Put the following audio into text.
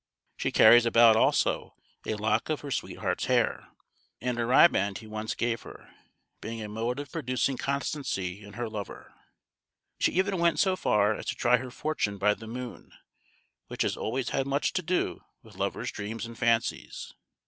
She carries about, also, a lock of her sweetheart's hair, and a riband he once gave her, being a mode of producing constancy in her lover. She even went so far as to try her fortune by the moon, which has always had much to do with lovers' dreams and fancies.